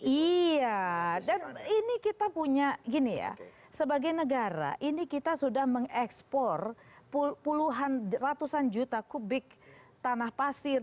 iya dan ini kita punya gini ya sebagai negara ini kita sudah mengekspor puluhan ratusan juta kubik tanah pasir